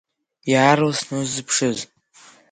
Иаарласны усзыԥшыз.